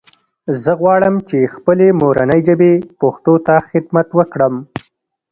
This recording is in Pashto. زه غواړم چې خپلې مورنۍ ژبې پښتو ته خدمت وکړم